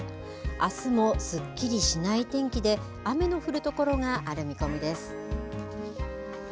あすもすっきりしない天気で、雨の降る所がある見込みです。